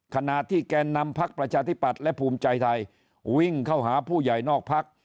ขณะที่แกนนำพักประชาธิปัตย์และภูมิใจไทยวิ่งเข้าหาผู้ใหญ่นอกพัก